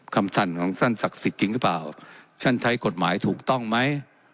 สั่นของท่านศักดิ์สิทธิ์จริงหรือเปล่าท่านใช้กฎหมายถูกต้องไหม